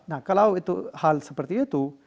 nah kalau itu hal seperti itu